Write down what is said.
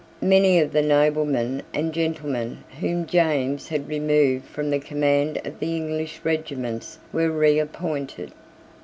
Many of the noblemen and gentlemen whom James had removed from the command of the English regiments were reappointed.